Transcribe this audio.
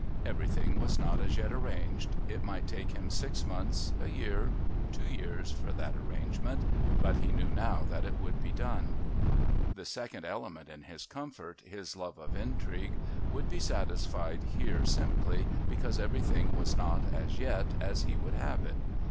Everything was not as yet arranged; it might take him six months, a year, two years for that arrangement...but he knew now that it would be done. The second element in his comfort, his love of intrigue, would be satisfied here simply because everything was not, as yet, as he would have it.